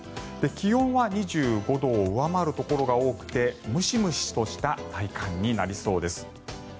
気温は２５度を上回るところが多くてムシムシとした体感になりそうです。